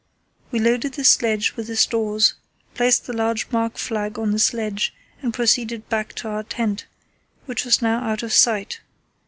"We loaded the sledge with the stores, placed the large mark flag on the sledge, and proceeded back to our tent, which was now out of sight.